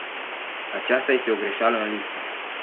Aceasta este o greșeală în listă.